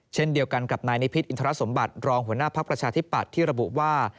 เช่นเดียวกันกับนายนิพิษอินทรสมบัติรองหัวหน้าภักดิ์ประชาธิปัตย์ที่ระบุว่า